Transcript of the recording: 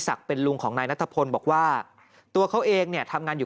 เป็นลุงของนายนัทพลบอกว่าตัวเขาเองเนี่ยทำงานอยู่